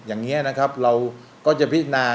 อย่างนี้นะครับเราก็จะพินา